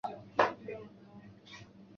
水龙兽已具有次生腭。